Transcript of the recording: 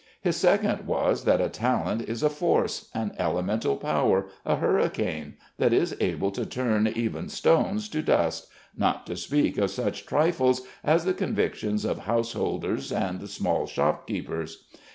His second was that a talent is a force, an elemental power, a hurricane, that is able to turn even stones to dust, not to speak of such trifles as the convictions of householders and small shopkeepers.